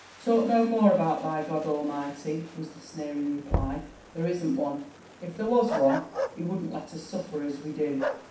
'Talk no more about thy Goddle Mighty,' was the sneering reply; 'there isn't one. If there was one, He wouldn't let us suffer as we do.'"